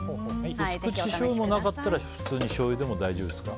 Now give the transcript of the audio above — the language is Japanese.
薄口しょうゆもなかったら普通にしょうゆでも大丈夫ですか。